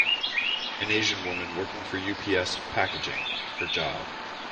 An Asian woman working for UPS packaging, her job.